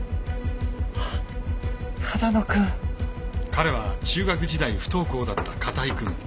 彼は中学時代不登校だった片居くん。